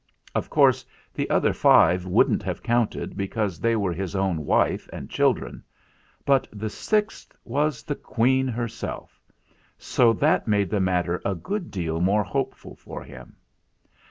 Of course, the other five wouldn't have counted, because they were his own wife and children. But the sixth was the Queen her self, so that made the matter a good deal more hopeful for him.